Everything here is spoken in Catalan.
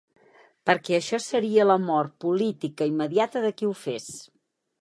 Perquè això seria la mort política immediata de qui ho fes.